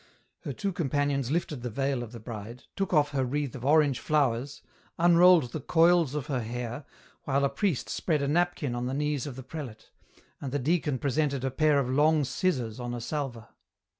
Her two companions lifted the veil of the bride, took off her wreath of orange flowers, unrolled the coils of her hair, while a priest spread a napkin on the knees of the prelate, and the deacon presented a pair of long scissors on a salver.